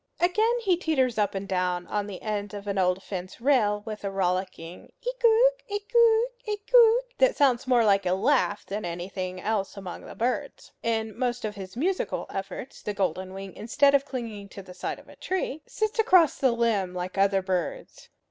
Again he teeters up and down on the end of an old fence rail with a rollicking eekoo, eekoo, eekoo, that sounds more like a laugh than anything else among the birds. In most of his musical efforts the golden wing, instead of clinging to the side of a tree, sits across the limb, like other birds.